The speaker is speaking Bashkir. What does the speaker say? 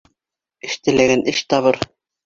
Эш теләгән эш табыр.